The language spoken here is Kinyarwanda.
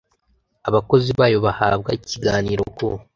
abakozi bayo bahabwa ikiganiro ku